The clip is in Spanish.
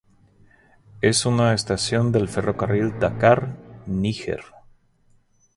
Es una estación del ferrocarril Dakar-Níger.